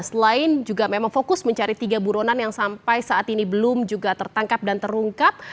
selain juga memang fokus mencari tiga buronan yang sampai saat ini belum juga tertangkap dan terungkap